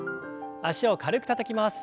脚を軽くたたきます。